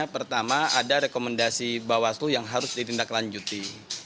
pertama ada rekomendasi bawah seluruh yang harus ditindaklanjuti